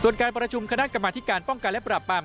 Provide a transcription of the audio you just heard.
ส่วนการประชุมคณะกรรมธิการป้องกันและปราบปราม